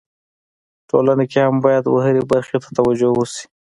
ټولنه کي هم باید و هري برخي ته توجو وسي.